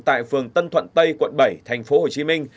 tại phường tân thuận tây quận bảy thành phố hồ chí minh